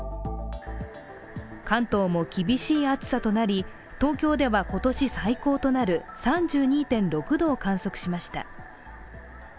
関東も厳しい暑さとなり東京では今年最高となる３２．６度を観測しました。